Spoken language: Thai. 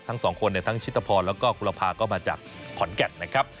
ทั้งสองคนทั้งชิตพรแล้วก็กุลภาก็มาจากขอนแก่นนะครับ